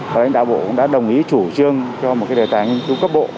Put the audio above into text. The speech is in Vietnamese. và lãnh đạo bộ cũng đã đồng ý chủ trương cho một cái đề tài nghiên cứu cấp bộ